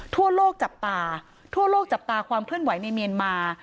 ทั่วโลกจับตาทั่วโลกจับตาความเคลื่อนไหวในเมียนมา